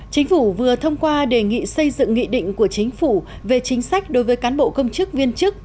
chính phủ vừa thông qua đề nghị xây dựng nghị định của chính phủ về chính sách đối với cán bộ công chức viên chức